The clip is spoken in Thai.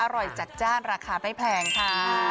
อร่อยจัดจ้านราคาไม่แพงค่ะ